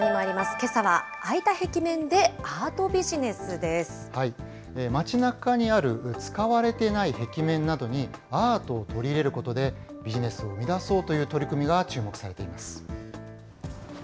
けさは、空いた壁面でアートビジ街なかにある使われてない壁面などにアートを取り入れることで、ビジネスを生み出そうという取り組みが注目されています。